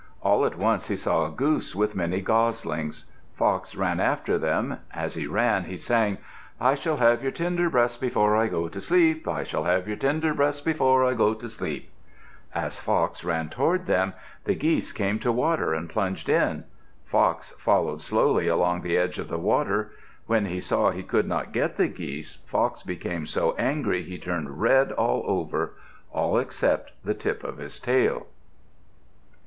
All at once he saw a goose with many goslings. Fox ran after them. As he ran he sang, "I shall have your tender breasts before I go to sleep; I shall have your tender breasts before I go to sleep." As Fox ran toward them, the geese came to water and plunged in. Fox followed slowly along the edge of the water. When he saw he could not get the geese, Fox became so angry he turned red all over all except the tip of his tail.